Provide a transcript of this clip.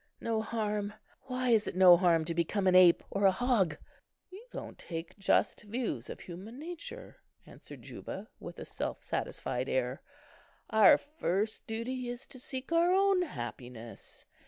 "No harm! why, is it no harm to become an ape or a hog?" "You don't take just views of human nature," answered Juba, with a self satisfied air. "Our first duty is to seek our own happiness.